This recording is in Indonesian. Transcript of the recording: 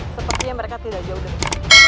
sepertinya mereka tidak jauh dari